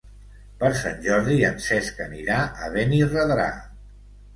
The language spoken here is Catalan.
Per Sant Jordi en Cesc anirà a Benirredrà.